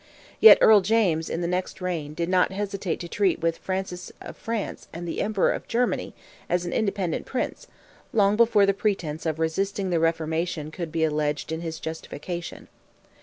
Yet Earl James, in the next reign, did not hesitate to treat with Francis of France and the Emperor of Germany, as an independent Prince, long before the pretence of resisting the Reformation could be alleged in his justification.